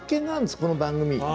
この番組。